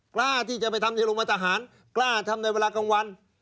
กล้าที่จะไปทำในโรงพยาบาลทหารกล้าทำในเวลากลางวัน